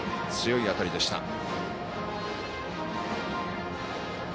強い当たりでした。